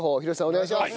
お願いします。